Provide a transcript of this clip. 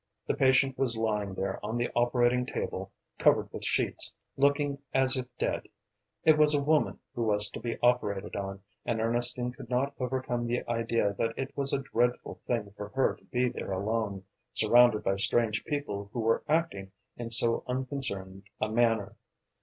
The patient was lying there on the operating table, covered with sheets, looking as if dead. It was a woman who was to be operated on, and Ernestine could not overcome the idea that it was a dreadful thing for her to be there alone, surrounded by strange people who were acting in so unconcerned a manner.